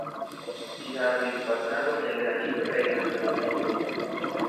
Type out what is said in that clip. Ĝi havis fasadon el granito kaj granda rotondo.